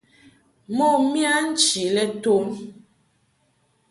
Mo miya nchi lɛ ton.